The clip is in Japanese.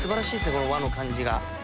この和の感じが。